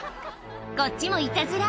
こっちもいたずら。